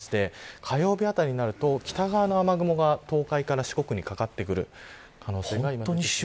その後、どうも北上傾向が見られまして火曜日あたりになると北側の雨雲が東海から四国にかかってくる可能性があります。